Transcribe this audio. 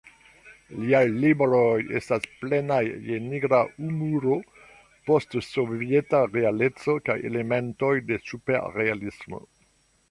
Liaj libroj estas plenaj je nigra humuro, post-sovieta realeco kaj elementoj de superrealismo.